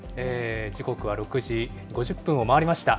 時刻は６時５０分を回りました。